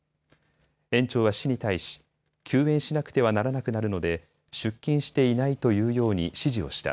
園長は市に対し休園しなくてはならなくなるので出勤していないと言うように指示をした。